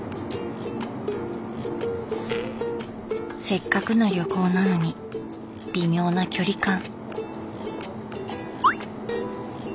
せっかくの旅行なのに微妙な距離感。